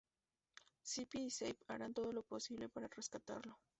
Zipi y Zape harán todo lo posible para rescatarlo.